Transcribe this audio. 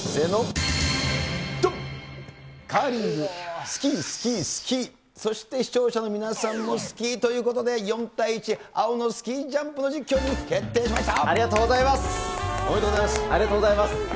カーリング、スキー、スキー、スキー、そして、視聴者の皆さんもスキーということで、４対１、青のスキージャンありがとうございます。